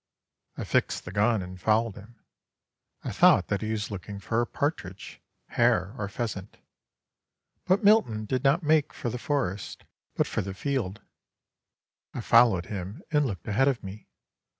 I fixed the gun and followed him. I thought that he was looking for a partridge, hare, or pheasant. But Milton did not make for the forest, but for the field. I followed him and looked ahead of me.